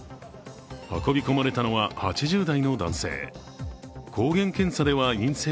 運び込まれたのは８０代の男性。